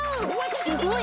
すごい！